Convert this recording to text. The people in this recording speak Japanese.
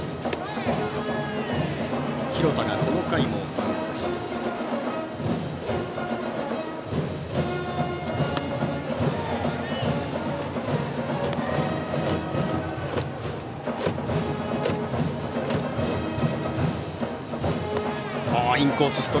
廣田が、この回もマウンドです。